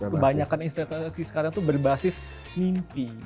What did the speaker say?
kebanyakan investasi sekarang itu berbasis mimpi